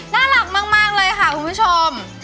น่ารักมากเลยค่ะคุณผู้ชม